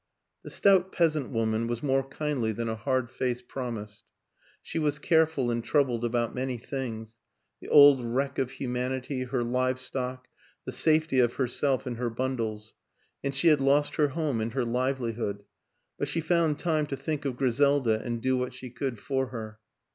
The stout peasant woman was more kindly than a hard face promised. She was careful and troubled about many things the old wreck of humanity, her live stock, the safety of herself and her bundles and she had lost her home and her livelihood; but she found time to think of Griselda and do what she could for her.